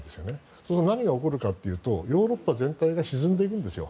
そうすると何が起こるかというとヨーロッパ全体が沈んでいくんですよ。